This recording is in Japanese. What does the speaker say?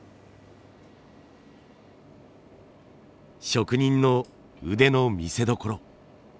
職人の腕の見せどころ。